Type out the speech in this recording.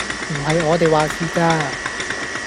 唔係我哋話事㗎